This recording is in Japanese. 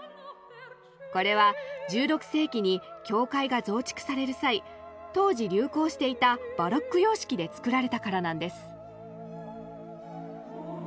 これは１６世紀に教会が増築される際当時流行していたバロック様式で造られたからなんです。